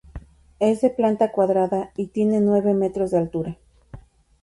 Es de planta cuadrada y tiene nueve metros de altura.